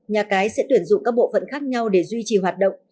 nhà cái sẽ tuyển dụng các bộ phận khác nhau để duy trì hoạt động